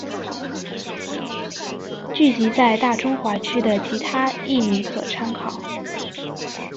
剧集在大中华区的其他译名可参考。